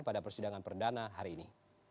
pada persidangan perdana hari ini